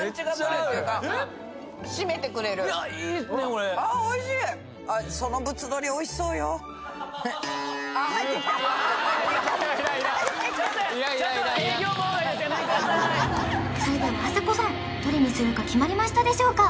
やめてくださーいそれではあさこさんどれにするか決まりましたでしょうか？